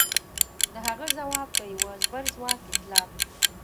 د هغه ځواب د یوه زبرځواک ایتلاف